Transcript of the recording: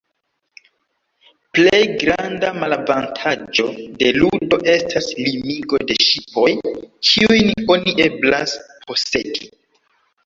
Plej granda malavantaĝo de ludo estas limigo de ŝipoj, kiujn oni eblas posedi.